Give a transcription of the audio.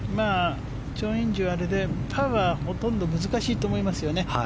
チョン・インジはあれでパーはほとんど難しいと思いますよね。